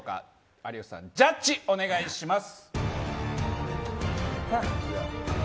有吉さん、ジャッジお願いします。